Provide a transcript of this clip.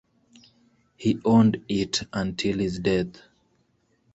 He owned it until his death.